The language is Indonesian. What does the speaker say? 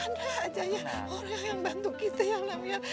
ada aja ya orang yang bantu kita ya lam ya